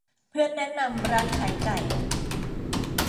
เพื่อนแนะนำร้านขายไก่